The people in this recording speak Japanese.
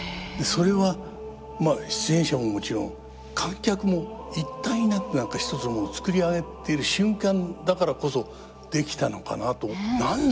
それは出演者ももちろん観客も一体になって何か一つのものを作り上げている瞬間だからこそできたのかなと。